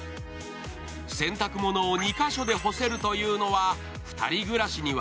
洗濯物を２か所で干せるというのは２人暮らしには